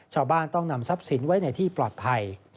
ชาวบ้านต้องนำทรัพย์สินไว้ในที่ปลอดภัย